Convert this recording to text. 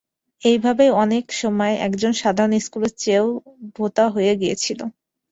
এইভাবেই অনেক সময়ে একজন সাধারণ স্কুলের ছাত্রের চেয়েও ভোঁতা হয়ে গিয়েছিল।